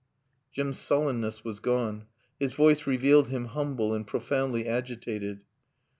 Jim's sullenness was gone. His voice revealed him humble and profoundly agitated.